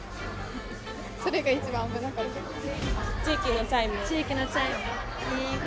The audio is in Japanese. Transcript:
それが一番危なかったですね。